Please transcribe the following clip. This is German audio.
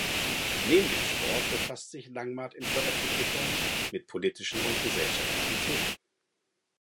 Neben dem Sport befasst sich Langmaack in Veröffentlichungen mit politischen und gesellschaftlichen Themen.